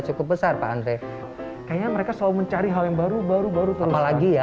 cukup besar pak andre kayaknya mereka selalu mencari hal yang baru baru baru lama lagi ya